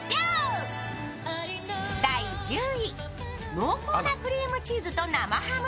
濃厚なクリームチーズと生ハム。